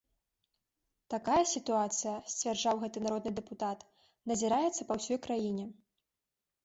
Такая сітуацыя, сцвярджаў гэты народны дэпутат, назіраецца па ўсёй краіне.